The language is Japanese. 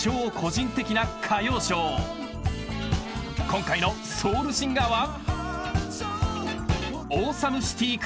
［今回のソウルシンガーは］